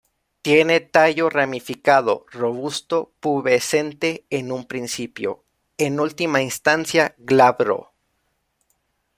Tiene tallo ramificado, robusto, pubescente en un principio, en última instancia, glabro.